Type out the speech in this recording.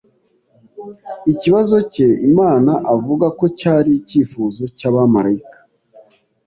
ikibazo cye Imana avuga ko cyari icyifuzo cy’abamarayika